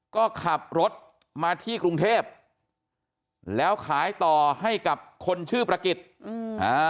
ก็ขับรถมาที่กรุงเทพแล้วขายต่อให้กับคนชื่อประกิจอืมอ่า